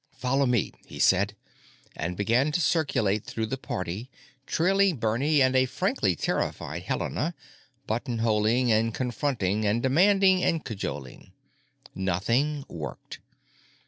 "Follow me," he said, and began to circulate through the party, trailing Bernie and a frankly terrified Helena, button holing and confronting and demanding and cajoling. Nothing worked.